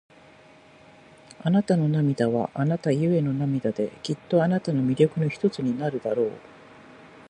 あなたの涙は、あなたゆえの涙で、きっとあなたの魅力の一つになるだろう。